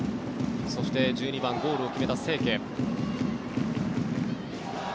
そして、１２番ゴールを決めた清家。